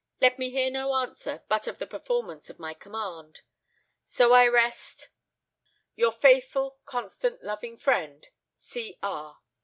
Let me hear no answer, but of the performance of my command. So I rest "Your faithful, constant, loving friend, "C. R.